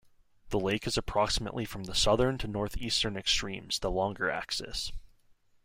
The lake is approximately from the southern to the north-eastern extremes, the longer axis.